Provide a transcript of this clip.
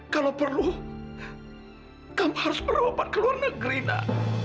kalau perlu kamu harus berobat ke luar negeri nak